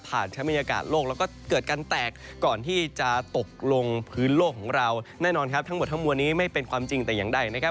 ชั้นบรรยากาศโลกแล้วก็เกิดการแตกก่อนที่จะตกลงพื้นโลกของเราแน่นอนครับทั้งหมดทั้งมวลนี้ไม่เป็นความจริงแต่อย่างใดนะครับ